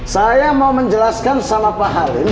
saya mau menjelaskan salah pak halim